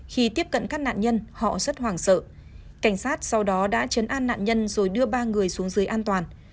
khi tiếp cận các nạn nhân họ rất hoảng sợ cảnh sát sau đó đã chấn an nạn nhân rồi đưa ba người xuống dưới an toàn